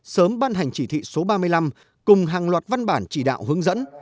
sớm ban hành chỉ thị số ba mươi năm cùng hàng loạt văn bản chỉ đạo hướng dẫn